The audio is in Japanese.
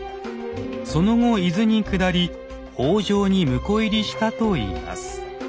その後伊豆に下り北条に婿入りしたといいます。